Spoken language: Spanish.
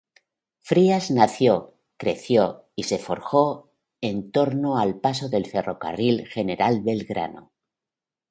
Frías nació, creció y se forjó en torno al paso del ferrocarril General Belgrano.